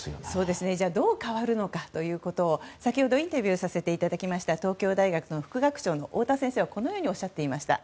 では、どう変わるのかということを先ほど、インタビューさせていただきました東京大学の副学長の太田先生はこのようにおっしゃっていました。